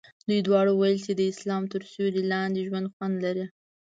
دوی دواړو ویل چې د اسلام تر سیوري لاندې ژوند خوند لري.